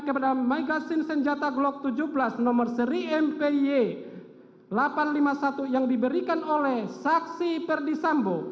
kepada megasin senjata glock tujuh belas nomor seri mpy delapan ratus lima puluh satu yang diberikan oleh saksi perdisambo